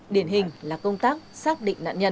điển hình là công tác xác định nạn nhân